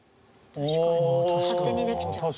確かに勝手にできちゃう。